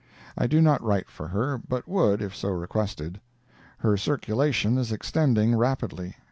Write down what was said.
I do not write for her, but would, if so requested. Her circulation is extending rapidly.